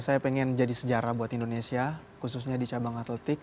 saya pengen jadi sejarah buat indonesia khususnya di cabang atletik